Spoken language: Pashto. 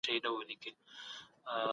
پخوا طبيعي سرچينې نه وې کارول سوې.